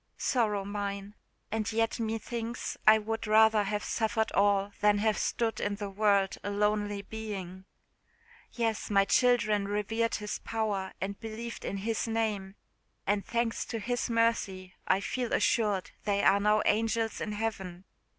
Sorrow mine! and yet me thinks I would rather have suffered all than have stood in the world a lonely being. Yes, my children revered His power and believed in His name, and, thanks to His mercy, I feel assured they are now angels in heaven!